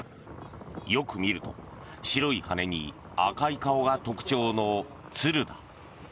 よく見ると白い羽に赤い顔が特徴の鶴だ。